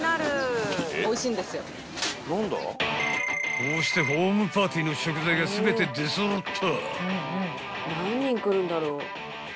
［こうしてホームパーティーの食材が全て出揃った］